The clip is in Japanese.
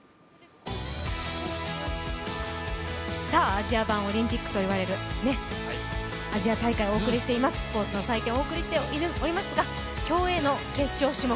アジア版オリンピックと呼ばれるアジア大会、スポーツの祭典をお送りしておりますが、競泳の決勝種目。